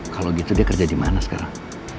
kalau gitu dia kerja dimana sekarang